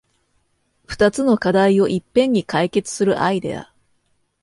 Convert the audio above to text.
ふたつの課題をいっぺんに解決するアイデア